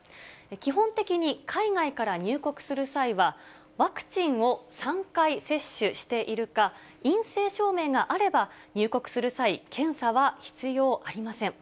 基本的に海外から入国する際は、ワクチンを３回接種しているか、陰性証明があれば入国する際、検査は必要ありません。